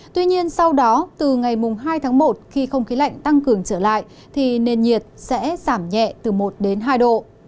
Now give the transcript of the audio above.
tuy nhiên sau đó từ ngày hai tháng một khi không khí lạnh tăng cường trở lại thì nền nhiệt sẽ giảm nhẹ từ một đến hai độ